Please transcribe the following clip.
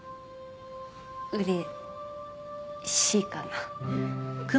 うれしいかな